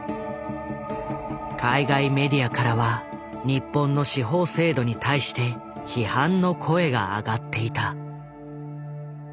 海外メディアからは日本の司法制度に対して批判の声が上がっていた。